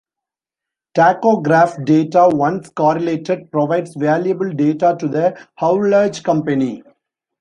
Tachograph data, once correlated, provides valuable data to the haulage company.